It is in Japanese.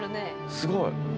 すごい。